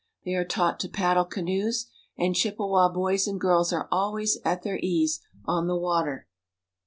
They are taught to paddle canoes, and Chippewa boys and girls are always at their ease on the water.